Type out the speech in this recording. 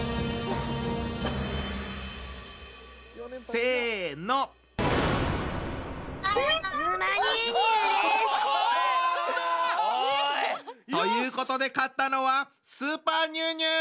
せの。ということで勝ったのはスーパーニュウニュウ！